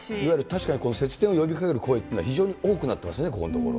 確かに節電呼びかける声っていうのは、非常に多くなってますね、ここのところ。